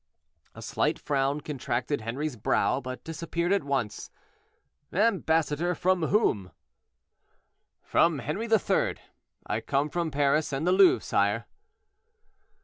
A slight frown contracted Henri's brow, but disappeared at once. "Ambassador, from whom?" "From Henri III. I come from Paris and the Louvre, sire."